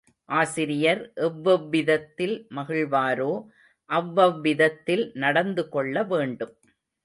ஆசிரியர் எவ்வெவ்விதத்தில் மகிழ்வாரோ அவ்வவ்விதத்தில் நடந்து கொள்ள வேண்டும்.